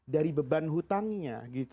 dari beban hutangnya